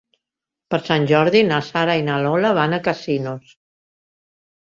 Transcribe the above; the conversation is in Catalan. Per Sant Jordi na Sara i na Lola van a Casinos.